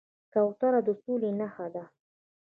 کوتره د سولې نښه ده